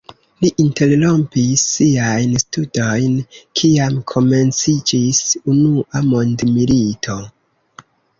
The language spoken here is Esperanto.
Li interrompis siajn studojn kiam komenciĝis Unua mondmilito.